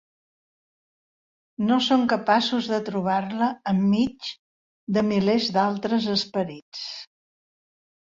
No són capaços de trobar-la enmig de milers d'altres esperits.